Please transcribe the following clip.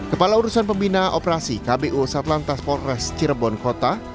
kepala urusan pembina operasi satlan transport res cirebon kota